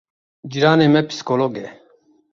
Cîranê me psîkolog e.